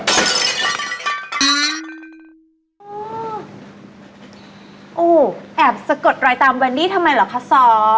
แอบสะกดรอยตามแวนดี้ทำไมหรอคะซอ